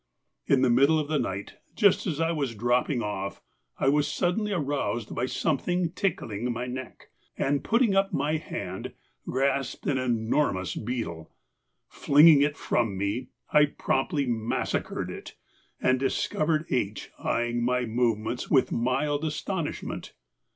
In the middle of the night, just as I was dropping off, I was suddenly aroused by something tickling my neck, and putting up my hand grasped an enormous beetle. Flinging it from me, I promptly massacred it, and discovered H. eyeing my movements with mild astonishment.